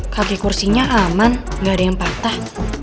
kaki kursinya aman nggak ada yang patah